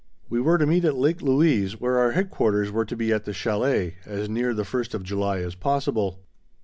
We were to meet at Lake Louise, where our headquarters were to be at the chalet, as near the first of July as possible.